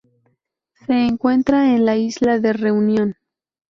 Se encuentra en la isla de Reunión.